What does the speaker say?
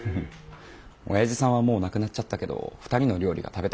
おやじさんはもう亡くなっちゃったけど２人の料理が食べたい。